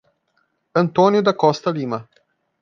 Antônio da Costa Lima